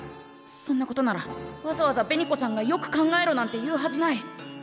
そんなことならわざわざ紅子さんが「よく考えろ」なんて言うはずない。